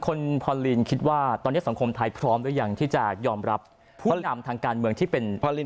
คุณพอลินคิดว่าตอนนี้สังคมไทยพร้อมหรือยังที่จะยอมรับผู้นำทางการเมืองที่เป็นพ่อลิน